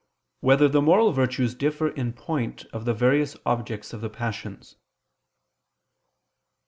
5] Whether the Moral Virtues Differ in Point of the Various Objects of the Passions?